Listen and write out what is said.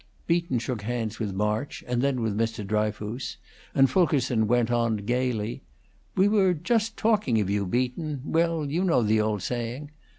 Beaton shook hands with March, and then with Mr. Dryfoos, and Fulkerson went on, gayly: "We were just talking of you, Beaton well, you know the old saying.